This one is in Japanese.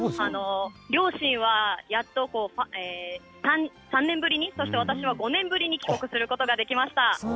両親は、やっと３年ぶりに、そして私は５年ぶりに帰国することができました。